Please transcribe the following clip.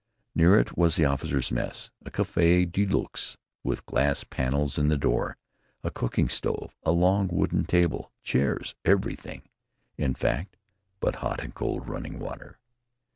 Near it was the officers' mess, a café de luxe with glass panels in the door, a cooking stove, a long wooden table, chairs, everything, in fact, but hot and cold running water.